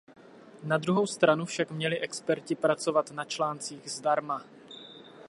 Na druhou stranu však měli experti pracovat na článcích zdarma.